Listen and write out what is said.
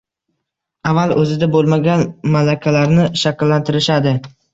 Avval o’zida bo’lmagan malakalarni shakllantirishadi